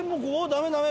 ダメダメ！